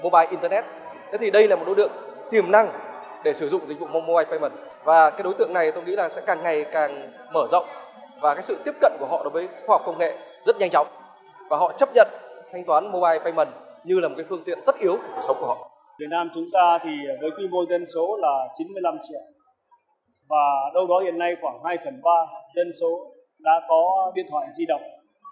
việt nam chúng ta với quy mô dân số là chín mươi năm triệu và đâu đó hiện nay khoảng hai phần ba dân số đã có biên thoại di động